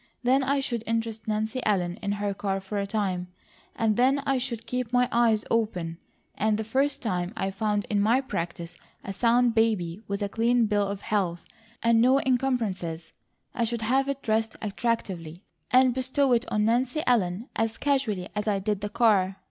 Then I should interest Nancy Ellen in her car for a time, and then I should keep my eyes open, and the first time I found in my practice a sound baby with a clean bill of health, and no encumbrances, I should have it dressed attractively, and bestow it on Nancy Ellen as casually as I did the car.